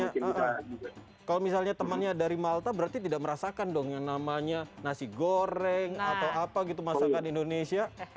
kalau misalnya temannya dari malta berarti tidak merasakan dong yang namanya nasi goreng atau apa gitu masakan indonesia